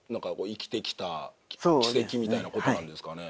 生きてきた軌跡みたいなことなんですかね？